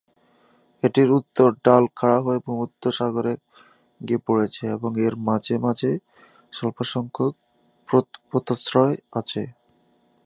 এটির উত্তর ঢাল খাড়া হয়ে ভূমধ্যসাগরে গিয়ে পড়েছে এবং এর মাঝে মাঝে স্বল্পসংখ্যক পোতাশ্রয় আছে।